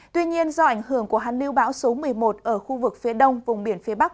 tuy nhiên do ảnh hưởng của hàn lưu bão số một mươi một ở khu vực phía đông vùng biển phía bắc